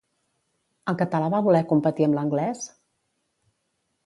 El català va voler competir amb l'anglès?